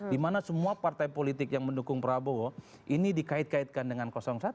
dimana semua partai politik yang mendukung prabowo ini dikait kaitkan dengan satu